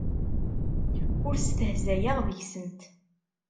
Ur stehzayeɣ deg-sent.